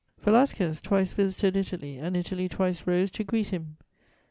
Velasquez twice visited Italy, and Italy twice rose to greet him.